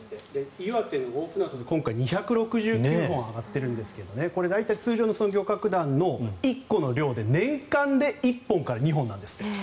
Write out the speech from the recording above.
岩手の大船渡に今回２６９本上がっているんですがこれは通常の漁獲団の１個の量で、年間で１本から２本なんですって。